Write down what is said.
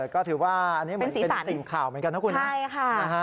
ก็ถือว่าอันนี้เหมือนเป็นติ่งข่าวเหมือนกันนะคุณนะ